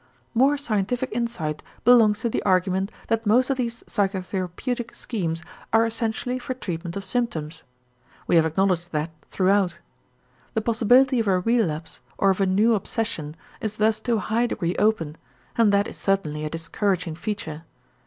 More scientific insight belongs to the argument that most of these psychotherapeutic schemes are essentially for treatment of symptoms. We have acknowledged that throughout. The possibility of a relapse or of a new obsession is thus to a high degree open, and that is certainly a discouraging feature.